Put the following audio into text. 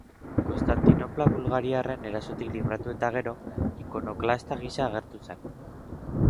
Konstantinopla bulgariarren erasotik libratu eta gero, ikonoklasta gisa agertu zen.